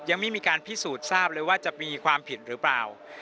ยังไม่มีการพิสูจน์ทราบเลยว่าจะมีความผิดหรือเปล่า